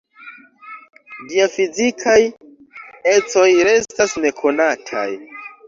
Ĝia fizikaj ecoj restas nekonataj.